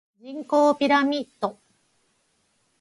人口ピラミッド